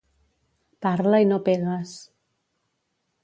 Parla i no pegues.